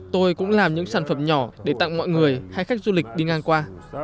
tôi cũng làm những sản phẩm nhỏ để tặng mọi người hay khách du lịch đi ngang qua